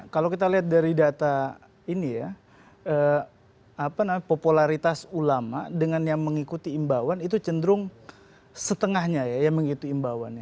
kalau kita lihat dari data ini ya popularitas ulama dengan yang mengikuti imbauan itu cenderung setengahnya ya yang mengikuti imbauannya